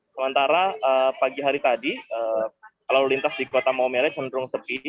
sementara pagi hari tadi lalu lintas di kota maumere cenderung sepi